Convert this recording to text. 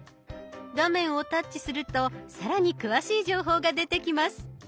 画面をタッチすると更に詳しい情報が出てきます。